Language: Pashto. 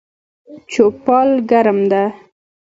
چوپال ګرم ده